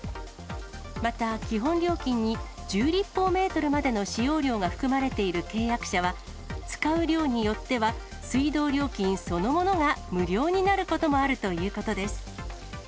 また、基本料金に１０立方メートルまでの使用量が含まれている契約者は、使う量によっては、水道料金そのものが無料になることもあるということです。